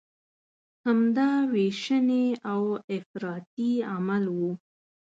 همدا ویشنې او افراطي عمل و.